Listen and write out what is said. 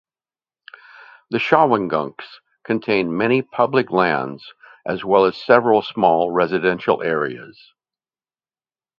The Shawangunks contain mainly public lands as well as several small residential areas.